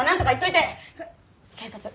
警察！